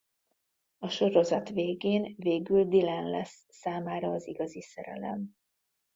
A sorozat végén végül Dylan lesz számára az igazi szerelem.